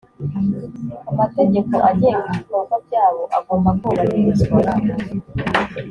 amategeko agenga ibikorwa byabo agomba kubahirizwa